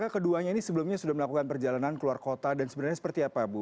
keduanya ini sebelumnya sudah melakukan perjalanan keluar kota dan sebenarnya seperti apa bu